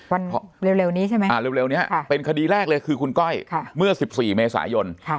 เร็วนี้ใช่ไหมเร็วนี้เป็นคดีแรกเลยคือคุณก้อยเมื่อ๑๔เมษายน